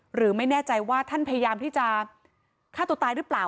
หรือไม่แน่ใจว่าท่านพยายามที่จะฆ่าตัวตายหรือเปล่า